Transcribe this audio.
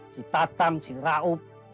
si tatang si raup